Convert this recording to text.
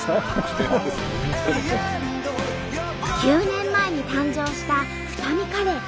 ９年前に誕生した二海カレー。